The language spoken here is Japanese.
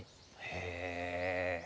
へえ。